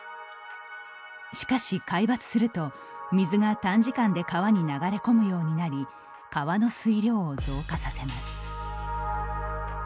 しかし、皆伐すると水が短時間で川に流れ込むようになり川の水量を増加させます。